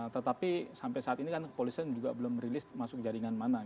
tetapi sampai saat ini kan kepolisian juga belum rilis masuk jaringan mana